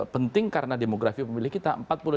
penting karena demografi pemilih kita